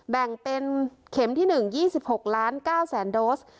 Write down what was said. แบ่งเป็นเข็มที่หนึ่งยี่สิบหกล้านเก้าแสนโดส